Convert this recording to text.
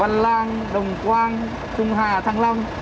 văn lang đồng quang trung hà thăng long